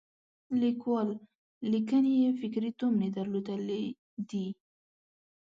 لیکوال لیکنې یې فکري تومنې درلودلې دي.